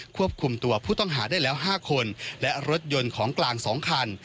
ควบคุมตัวผู้ต้องหาได้แล้ว๕คนและรถยนต์ของกลาง๒คัน